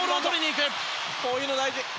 こういうの大事。